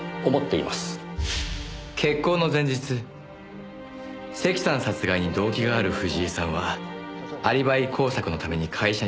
決行の前日関さん殺害に動機がある藤井さんはアリバイ工作のために会社に残り。